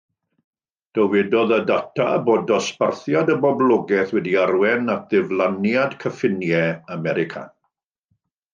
Dywedodd y data bod dosbarthiad y boblogaeth wedi arwain at ddiflaniad cyffiniau America.